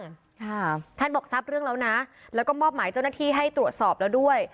ค่ะท่านบอกทราบเรื่องแล้วนะแล้วก็มอบหมายเจ้าหน้าที่ให้ตรวจสอบแล้วด้วย